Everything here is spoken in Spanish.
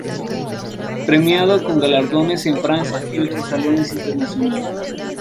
Premiado con galardones en Francia y en otros salones internacionales.